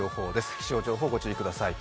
気象情報ご注意ください。